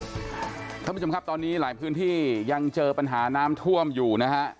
คุณผู้ชมครับตอนนี้หลายพื้นที่ยังเจอปัญหาน้ำท่วมอยู่นะฮะ